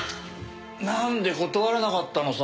なんで断らなかったのさ？